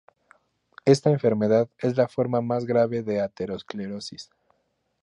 Esta enfermedad es la forma más grave de aterosclerosis.